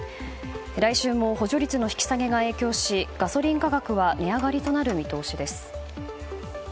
来週も補助率の引き下げが影響しガソリン価格は値上がりとなる見通しです。